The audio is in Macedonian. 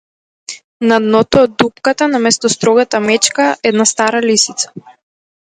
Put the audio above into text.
На дното од дупката, наместо строгата мечка - една стара лисица.